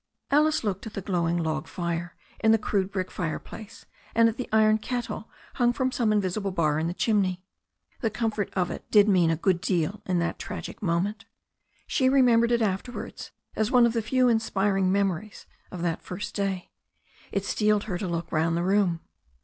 Alice looked into the glowing log fire in the crude brick fireplace, and at the iron kettle hung from some invisible bar up the chimney. The comfort of it did mean a good deal in that tragic moment. She remembered it afterwards as one of the few inspiring memories of that first day. It steeled her to look round the room.